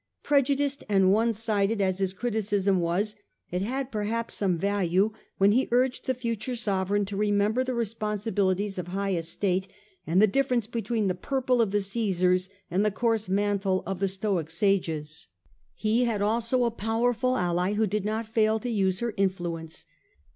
Prejudiced and one sided as who, like ,.... .Ill 1 Faustina, his CHticism was, it had perhaps some value Mttie liking when he urged the future sovereign to re fer ghilo member the responsibilities of high estate, and sop ers. difference between the purple of the Caesars and the coarse mantle of the Stoic sages. He had also a powerful ally who did not fail to use her influence.